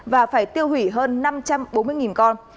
và phải tiêu hủy hơn năm trăm bốn mươi con